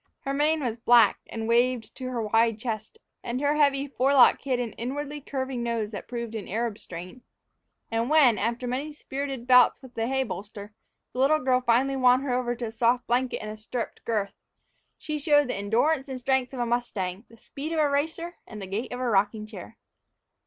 Her mane was black and waved to her wide chest, and her heavy forelock hid an inwardly curving nose that proved an Arab strain. And when, after many spirited bouts with the hay bolster, the little girl finally won her over to a soft blanket and a stirruped girth, she showed the endurance and strength of a mustang, the speed of a racer, and the gait of a rocking chair.